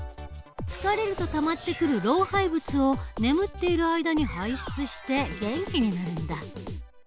疲れるとたまってくる老廃物を眠っている間に排出して元気になるんだ。